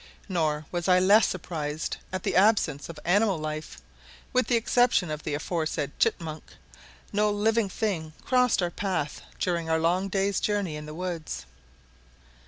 Nor was I less surprised at the absence of animal life. With the exception of the aforesaid chitmunk, no living thing crossed our path during our long day's journey in the woods.